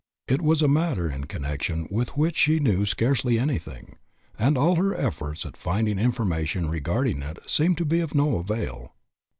It was a matter in connection with which she knew scarcely anything, and all her efforts at finding information regarding it seemed to be of no avail.